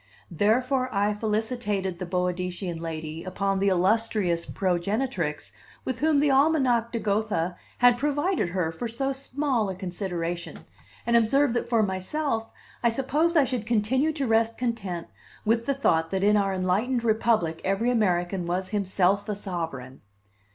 Therefore I felicitated the Boadicean lady upon the illustrious progenitrix with whom the Almanach de Gotha had provided her for so small a consideration, and observed that for myself I supposed I should continue to rest content with the thought that in our enlightened Republic every American was himself a sovereign.